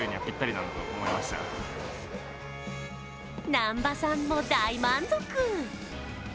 南波さんも大満足！